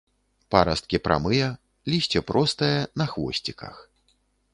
Парасткі прамыя, лісце простае на хвосціках.